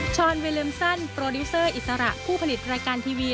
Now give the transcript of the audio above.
ชอนเวเลมซันโปรดิวเซอร์อิสระผู้ผลิตรายการทีวี